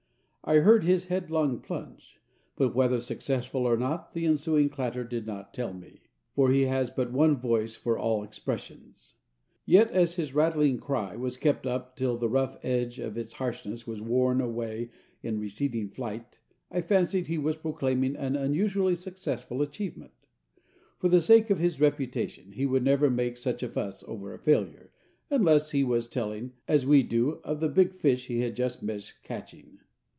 I heard his headlong plunge, but whether successful or not the ensuing clatter did not tell me, for he has but one voice for all expressions. Yet as his rattling cry was kept up till the rough edge of its harshness was worn away in receding flight, I fancied he was proclaiming an unusually successful achievement. For the sake of his reputation, he would never make such a fuss over a failure, unless he was telling, as we do, of the big fish he just missed catching.